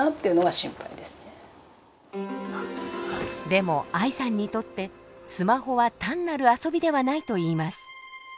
でもあいさんにとってスマホは単なる遊びではないといいます。